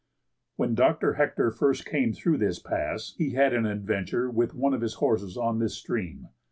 When Dr. Hector first came through this pass he had an adventure with one of his horses on this stream.